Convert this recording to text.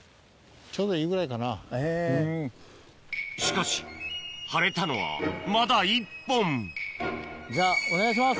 しかし張れたのはまだ１本じゃあお願いします。